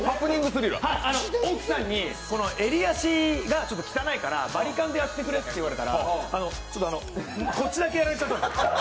奥さんに、襟足が汚いからバリカンでやってくれって言ったら、こっちだけやられちゃったんです。